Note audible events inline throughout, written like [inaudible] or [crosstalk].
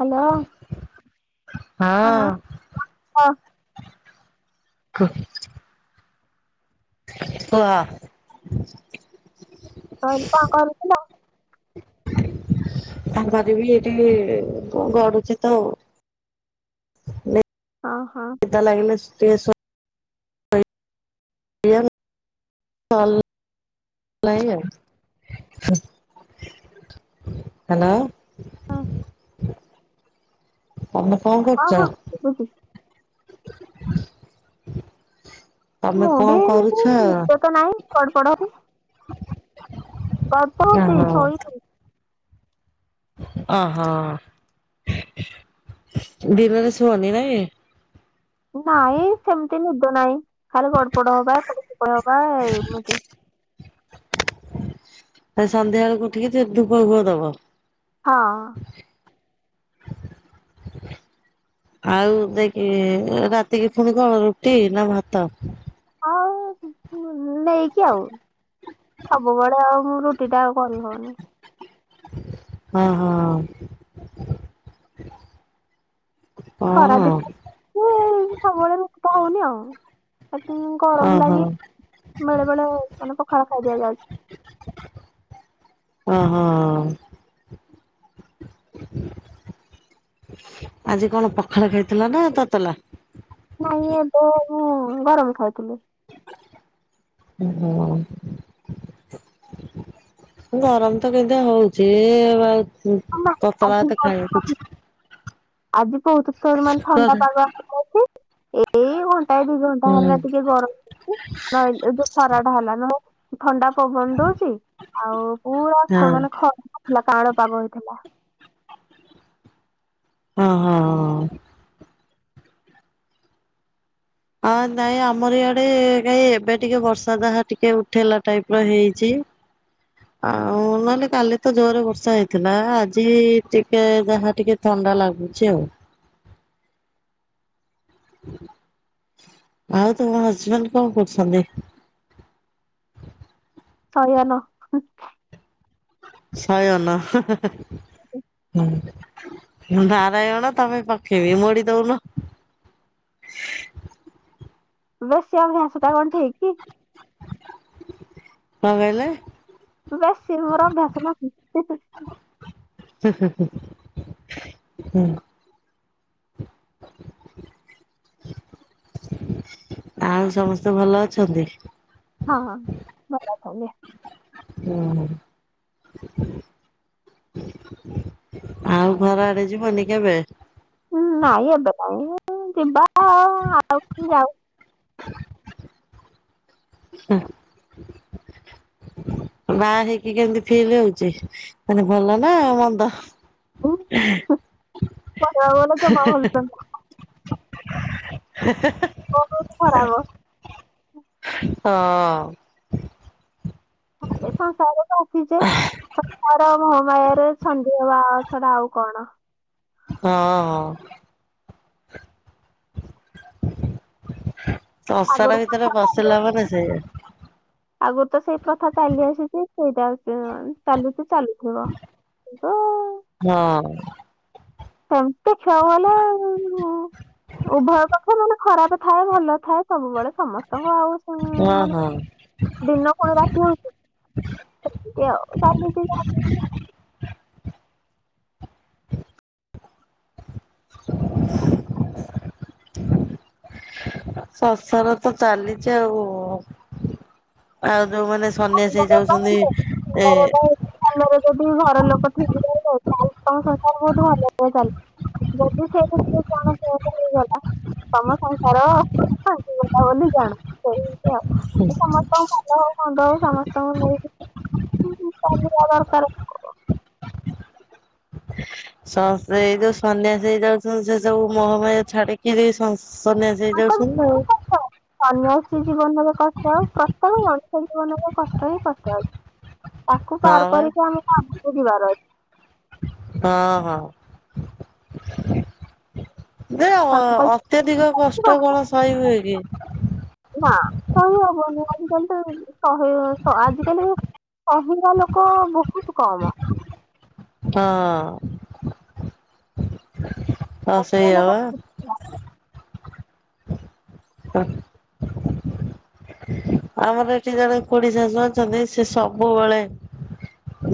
Hello. ହଁ ହଁ। କୁହ। ଆଉ କଣ କଥିଲ। ତାପରେବି ଏଠି ଗଡ଼ୁଚି ତ। ହଁ ହଁ ନିଦ ଲାଗିଲେ ଟିକେ ସୋ ଏଆରେ ନହେଲେ ନାଇ ଆଉ। ହାଲୋ। ହଁ ତମେ କଣ ହଁ କରୁଚ? ହଁ ଶୁଭୁଛି। ତମେ ମୁଁ ବି କଣ ଏମିତି କରୁଛ? ନିଦ ତ ନାହିଁ ଗାଧୋଉଚି ସୋଇବି। ଅଃ। ଦିନରେ ଶୁଅନି ନାଇଁ। ନାଇଁ ସେମିତି ନିଦ ନାଇଁ ଖାଲି ଗଡ ପଡ ହବା ପଡ଼ ହବା ଏମିତି। ଆଁ ସନ୍ଧ୍ୟା ବେଳୁକୁ ଉଠିକି ଯେ ଧୂପ ଫୁପ ଦବ। ହଁ। [inaudible] ଆଉ ଦେଇକି ରାତିକି ପୁଣି କଣ ରୁଟି ନା ଭାତ। ଆଉ ଉଁ ପୁ ଉଁ ନେଇକି ଆଉ ସବୁବୋଳେ ଆଉ ମୁଁ ରୁଟି ଟା ଆଉ କରି ହୋଉନି। ଅଃ। ଖରା ଦିନ ଯୋଗୁ ଆଉ ରୁଟିଟା ହୋଉନି ଆଉ। ଏତେ ଗରମ ଓହୋ ଲାଗି ବେଳେ ବେଳେ ମାନେ ପଖାଳ ଖାଇ ଦିଆଯାଉଛି। ଅଃ। ଆଜି କଣ ପଖାଳ ଖାଇଥିଲା ନା ତତଲା? ନାଇଁ ଏବେ ମୁଁ ଗରମ ଖାଉଥିଲି। [unintelligible] ଗରମ ତ କେନ୍ତିଆ ହୋଉଚି ଏଁ ବା ହୁଁ ହଁ, ନା, ତତଳା ଆଜି ଗରମ ଭାତ ଖାଇବାକୁ ଇଚ୍ଛା ଆଜି ବୋହୁତ ତ ମାନେ ଥଣ୍ଡା ହୁଁ ପାଗ ହେଇଚି ଏଇ ଘନ୍ ଟାଏ ଦି ଘଣ୍ଟା ହଁ ହେଲା ଟିକେ ଗରମ ଲାଗୁଚି ନାଇଁ ଏବେ ଖରା ଟା ହେଲା ନହେଲେ ଥଣ୍ଡା ପବନ ଦୋଉଚି ଆଉ ପୁରା ଖ ମାନେ ହଁ ଖରା ନଥିଲା କାଁଳ ପାଗ ହେଇ [unintelligible] ଅଃ ହଁ। ଆଁ ନାଇଁ ଆମର ଇଆଡେ କାଇଁ ଏବେ ଟିକେ ବର୍ଷା ଯାହା ଟିକେ ଉଠେଇଲା ଟାଇପ ର ହେଇଛି। [inaudible] ଆଉ ନହେଲେ କାଲି ତ ଜୋରେ ବର୍ଷା ହେଇଥିଲା ଆଜି ଟିକେ ଯାହା ଟିକେ ଥ ଥଣ୍ଡା ଲାଗୁଛି ଆଉ। [inaudible] ଆଉ ତୁମ ହଜବେଣ୍ଡ କଁ କରୁଛନ୍ତି। ଶୟନ। ଶୟନ। ନାରାୟଣ ତମେ ପକ୍ଷିବି ମୋଡି ଦୋଉନ। ବେଶୀ ଆଉ [unintelligible] ଟା କଣ ଠିକ୍ କି। କଁ କହିଲେ? ବେଶୀ ମୋରୋ ଅଭ୍ୟାସ୍ ନାହିଁ। [unintelligible] [inaudible] ଆଉ ସମସ୍ତେ ଭଲ ଅଛନ୍ତି? ହଁ ଭଲ ଅଛନ୍ତି। ହୁଁ। ଆଉ ଘର ଆଡେ ଯିବନି କେବେ? ଉଁ ନାଇଁ ଏବେ ତ ଆଉ ଯିବା ଆଉ ଆଉ [unintelligible] ଯାଉ। ହୁଁ। ମାଆ ହେଇକି କେମିତି ଫିଲ୍ ହୋଉଚି ମାନେ ଭଲ ନା ମନ୍ଦ? [unintelligible] କହିବାକୁ ଗଲେ ଜମା ଭଲ। [unintelligible] [unintelligible] ଲାଗୁନି, ଖରାପ ହଁ [unintelligible] ସଂସାର-ର ମୋହ ମାୟାରେ ଛନ୍ଦି ହେବା ଛଡ଼ା ଆଉ କଣ? ହଁ ସଂସାର ଆଗରୁ କଣ ଭିତରେ ହେଲା? ପସିଲା ମାନେ ସେଆ। ଆଗରୁ ତ ସେଇ ପ୍ରଥା ଚାଲି ଆସିଛି ସେଇଟା [inaudible] ଚାଲିଛି। ଚାଲୁଥିବ [unintelligible] ହଁ ସେମ ତ ଖିଆ ବାଲା ଆଉ। ଉଭୟ ପକ୍ଷ ମାନେ ଖରାପ ଥାଏ ଭଲ ଥାଏ ସବୁବେଳେ। ସମସ୍ତଙ୍କ ଆଉ ହଁ [inaudible] ହଁ ମାନଙ୍କୁ ଦିନ କଣ ରାତି ହଉଛି? ଏମିତି ଅଉ [unintelligible] ସଂସାର ତ ଚାଲିଛି ଆଉ-ଆଉ ଯୋଉମାନେ ସନ୍ନ୍ୟାସୀ ହେଇ ଯାଉଛନ୍ତି ଏ ଭଲରେ ଯଦି ଘର ଲୋକ ଠିକ୍ [unintelligible] ତମ ସଂସାର ବହୁତ ଭଲ ଚାଲିଛି। ଯଦି ସେ [unintelligible] କଣ [unintelligible] ହେଇଗଲା। ତମ ସଂସାର ଆସିଗଲା ବୋଲି ଜାଣ‌। ହୁଁ। [unintelligible] ସମସ୍ତଙ୍କୁ ନେଇକି ଚାଲିଯିବା ଦରକାର। ସଂ ଏଇ ଯୋଉ ସନ୍ନ୍ୟାସ ହେଇଯାଉଛନ୍ତି ସେ ସବୁ ମହୋମାୟା ଛାଡିକି ସନ୍ୟାସ [unintelligible] ହେଇଯାଉଛନ୍ତି ଆଉ। ସନ୍ୟାସୀ ଜୀବନରେ କଷ୍ଟ ପ୍ରତ୍ୟେକ ବର୍ଷ କଷ୍ଟ ହିଁ କଷ୍ଟ ଅଛି ତାକୁ ହଁ ପାର କରିକି ଆମ ଆଗକୁ ଯିବାର ଅଛି। ହଁ-ହଁ। ଦେ ଅଛି ତାଙ୍କ ଅତ୍ୟଧିକ କଷ୍ଟ କଣ ସହି ହୁଏ କି? ନା ସହି ହବନି ଆଜି କାଲି ତ ସହି ଆଜି କାଲି କହିବା ଲୋକ ବହୁତ କମ ହଁ। ହଁ କହିବା ସେଇଆ ଲୋକ ବା। ଅହଁ। ଆମର ଏଠି ଜଣେ ଖୁଡି ଶାଶୁ ଅଛନ୍ତି ସେ ସବୁବେଳେ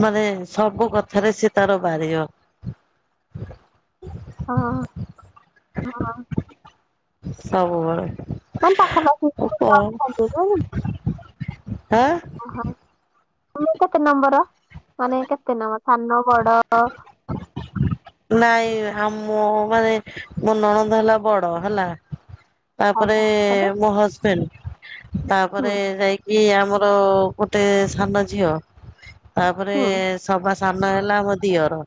ମାନେ ସବୁ କଥାରେ ସେ ତାର ବାରିବ। ହଁ-ହଁ। ସବୁବେଳେ। ହଁ ପାଖାପାଖି ଆଉ [unintelligible] କଣ ଅଛନ୍ତି ସବୁ। ଆଁ। ଆମର କେତେ ନମ୍ବର ମାନେ କେତେ ନମ୍ବର ସାନ ବଡ ନାଇଁ ଆମ ମାନେ ମୋ ନଣନ୍ଦ ହେଲା ବଡ ହେଲା। ତାପରେ ହେବେ ମୋ ହଜବେଣ୍ଡ। ତାପରେ ହୁଁ ଯାଇକି ଆମର ଗୋଟେ ସାନ ଝିଅ। ତାପରେ ହୁଁ ସବା ସାନ ହେଲା ଆମ ଦିଅର।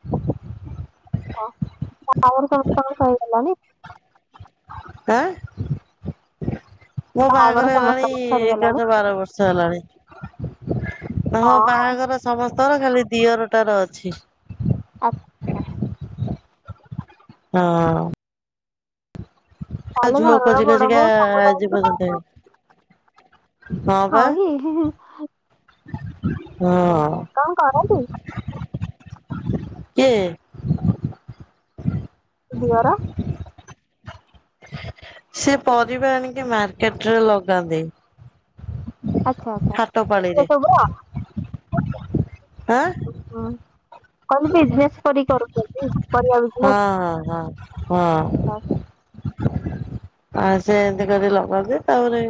ହଁ ବାହାଘର ସମସ୍ତଙ୍କର ସରିଗଲାଣି। ଆଁ। ମୋ ବାହାଘର ହେଲାଣି ସମସ୍ତଙ୍କର ସରିଗଲାଣି ଏଗାର ବାର ବର୍ଷ ହେଲାଣି। ହଁ, ହଁ ବାହାଘର ସମସ୍ତଙ୍କର ଖାଲି ଦିଅରଟାର ଅଛି। ଆଚ୍ଛା। ହଁ। ତାହେଲେ ଝୁଅ ଘରର ଖୋଜି ବଡ ଖୋଜିକା ବୋଉ ସବୁ ଦାୟିତ୍ୱ [unintelligible] ଆଉ ହଁ ଇ ହିଁ-ହିଁ। କଣ କରନ୍ତି ହଁ। କିଏ? ଦିଅର ସେ ପରିବା ଆଣିକି ମାର୍କେଟ ରେ ଲଗାନ୍ତି। ଆଚ୍ଛା ଆଚ୍ଛା। ହାଟ ପାଳିରେ ଆଁ କଣ ବିଜନସ କରି କର ହଁ ହଁ ହଁ ହଁ। [inaudible] ଆ ସେ ଏମିତି କରି ଲଗାନ୍ତି ତାପରେ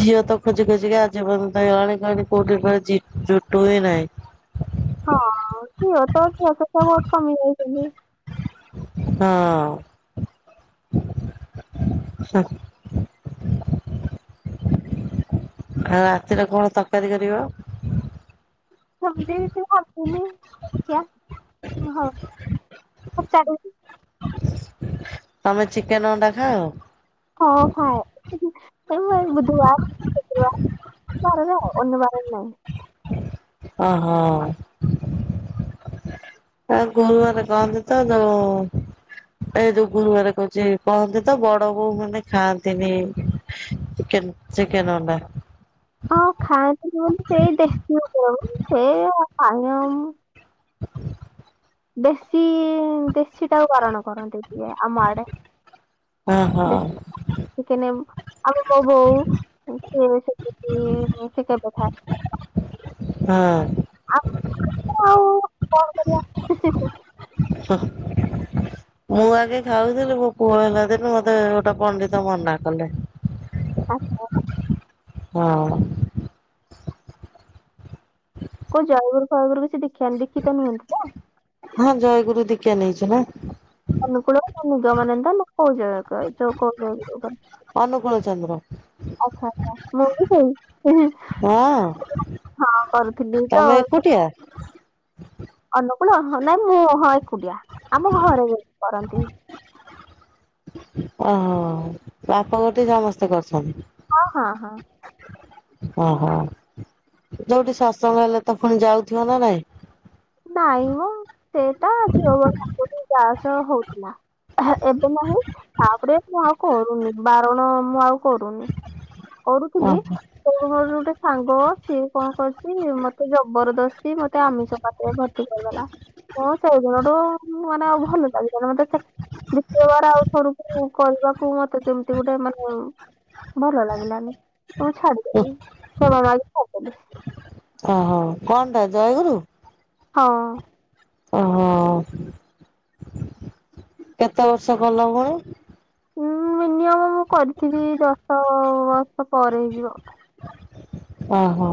ଝିଅ ତ ଖୋଜି ଖୋଜିିକି ଆଜିବର୍ଯ୍ୟନ୍ତ ହେଲାଣି କଣ କଉଠ ଯୁଟୁ ବି ନାଇଁ। ହଁ ଅ ପୁଅ ତ ପୁଅ ତ ବହୁତ କମି ଯାଇଛନ୍ତି। ହଁ। ସେ ଆଉ ରାତିରେ କଣ ତରକାରୀ କରିବ? [unintelligible] ହଁ ହଉ। ଆଚାର। ତମେ ଚିକେନ ଅଣ୍ଡା ଖାଅ? ହଁ ହଁ ଏଇ ବୁଧବାର ଶୁକ୍ରବାର। ଚଳିବ, ଅନ୍ୟବାର ନାହିଁ। ଓ ହୋ। ହ ଗୁରୁବାର କହନ୍ତି ତ ଯଉ ଏ ଯୋଉ ଗୁରୁବାର କହୁଚି, କହନ୍ତି ତ ବଡ ବୋଉ ମାନେ ଖାଆନ୍ତିନି। ଚିକନ୍ ଚିକନ ଅଣ୍ଡା। ହଁ ଖାଆନ୍ତିନି ମାନେ ସେ ଦେଶୀ ଲୋକ ମାନେ ସେ ଖାଇ ଦେଶୀ ଦେଶୀ ଟାକୁ ବରଣ କରନ୍ତି। ଆମ ଆଡ଼େ ହଁ ହଁ ଦେଶୀ ଚିକେନ। ଆଉ ମୋ ବୋଉ ସେ ବି ଟିକେ କଥା ହଁ। ଆଉ [unintelligible] କଣ କରିବା? [inaudible] ମୁଁ ଆଗେ ଖାଉଥିଲି, ମୋ ପୁଅ ହେଲା ଦିନୁ ମତେ ଗୋଟେ ପଣ୍ଡିତ ମନା କଲେ। ଆଛା। ହଁ। କଉ ଜୟଗୁରୁ ଫୟଗୁରୁ କି ଦିକ୍ଷା ହଁ ଜୟଗୁରୁ ଦୀକ୍ଷା ନେଇଚି ନା। ଅନୁକୁଳ ସ୍ୱାମୀ ଦୟାନନ୍ଦ ନା କୋଉ ଜୟ କ ଯଉ [unintelligible] ଅନୁକୂଳ ଚନ୍ଦ୍ର। ଆଚ୍ଛା ଆଛା ମୁଁ ବି ସେଇ। ହଁ ହଁ କରୁଥିଲି ତ ତମେ ଏକୁଟିଆ ଅନୁକୂଳ? ହଁ ନାଇଁ ମୁଁ ହଁ ଏକୁଟିଆ ଆମ ଘରେ କରନ୍ତି। ଓହୋ ବାପା ଗୋଟେ ସମସ୍ତେ କରୁଚନ୍ତି। ହଁ ହଁ ହଁ। ଓହୋ ଯୋଉଠି ସତ୍ସଙ୍ଗ ହେଲେ ତ ପୁଣି ଯାଉଥିବ ନା ନାଇଁ? ନାଇମ ସେଟା ଝିଅ ବେଳେ ଯାହା ସହ ହଉଥିଲା। ଏବେ ନାହିଁ ତାପରେ ମୁଁ ଆଉ କରୁନି ବାରଣ ମୁଁ ଆଉ କରୁନି। କରୁଥିଲି ଓହୋ ମୋର ଗୋଟେ ସାଙ୍ଗ ସିଏ କଣ କରି ଚି ମତେ ଜବରଦସ୍ତି ମତେ ଆମିଷ ପାଟିରେ ଭର୍ତ୍ତି କରିଦଲା ତ ସେଇଦିନଠୁ ମାନେ ଆଉ ଭଲ ଲାଗିଲାନ ମତେ ଦିତବାର ଆଉ ଥରକୁ କରିବାକୁ ମତେ ଯେମିତି ଗୋଟେ ମାନେ ଭଲ ଲାଗିଲାନି। ମୁଁ ଛାଡିଦେଲି [unintelligible] ଛାଡ଼ିଦେଲି। କଣ ଟା ଜୟଗୁରୁ? ହଁ। ଓହୋ କେତେ ବର୍ଷ କଲ ପୁଣି? ଉଁ ମିନିମମ ମୁଁ କରିଥିବି ଦଶ ବସ୍ ଓ ହୋ।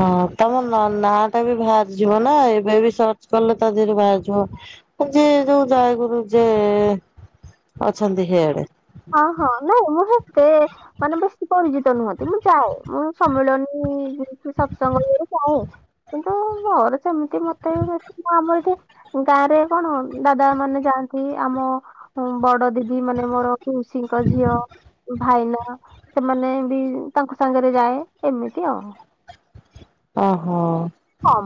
ହଁ ତମ ନାଁ ନାଁ ଟା ବି ବାହାରିଯିବ ନା ଏବେ ବି ସର୍ଚ୍ଚ କଲେ ତା ଦେହରେ ବାହାରିଯିବ। ଯିଏ ଯୋଉ ଜୟଗୁରୁ ଯେ ଅଛନ୍ତି ହେଡ୍। ହଁ ହଁ ନାଇଁ ମୁଁ ସେତେ ମାନେ ବେଶୀ ପରିଚି ତ ନୁହନ୍ତି ମୁଁ ଯାଏ ମୁଁ ସମ୍ମିଳନୀ ସତ୍ସଙ୍ଗ ଇଏରେ ଯାଏ କିନ୍ତୁ ସେମିତି ମତେ ବି ବ ମୁ ଆମର ଏଠି ଗାଁ ରେ କଣ ଦାଦା ମାନେ ଯାଆନ୍ତି ଆମ ବଡ ଦିଦି ମାନେ ମୋର ପିଉସୀ ଙ୍କ ଝିଅ ଭାଇନା ସେମାନେ ବି ତାଙ୍କ ସାଙ୍ଗରେ ଯାଏ ଏମିତି ଆଉ। ଓହୋ। ହଁ।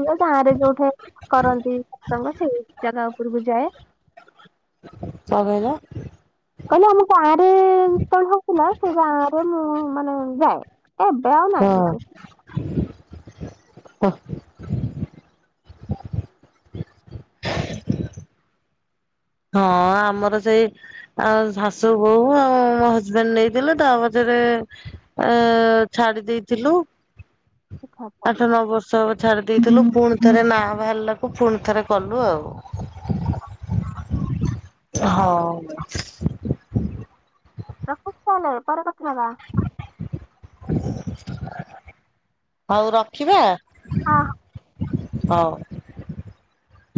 ହୁଏ ଗାଁ ରେ ଯୋଉଠି କରନ୍ତି ସତ୍ସଙ୍ଗ ସେଇ ଜାଗା ଉପରକୁ ଯାଏ। କଣ କହିଲ? ହଁ କଣ ହୋଉଥିଲା ସେଇ ଗାଁରେ ମୁଁ ମାନେ ଯାଏ। ଏବେ ଆଉ ନାଇଁ କିଛି। କଅ ହଁ ଆମର ସେଇ ଆଉ ଶାଶୁ ବୋହୂ ଆଉ ମୋ ହଜବେଣ୍ଡ ନେଇଥିଲେ ତାପଛରେ ଏ ଏ ଛାଡି ଦେଇଥିଲୁ [inaudible] ଫିଠା। ଆଠ ନଅ ବର୍ଷ ହବ। ଛାଡି ଦେଇଥିଲୁ ହୁଁ ପୁଣି ହୁଁ। ଥରେ ନାଁ ବାହାରିଲାକୁ ଫୁଣି ଥରେ କଲୁ ଆଉ। ହଉ। ରଖୁଛି ତାହଲେ ପରେ କଥା ହବା। ହଉ ରଖିବା? ହଁ। ହଉ।